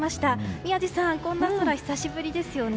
宮司さん、こんな空久しぶりですよね。